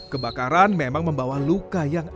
kebakaran memang membawa luka yang